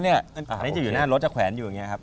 อันนี้จะอยู่หน้ารถจะแขวนอยู่อย่างนี้ครับ